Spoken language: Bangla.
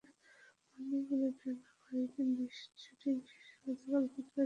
বান্দরবানে টানা কয়েক দিন শুটিং শেষে গতকাল বুধবার ঢাকায় ফিরেছেন তিনি।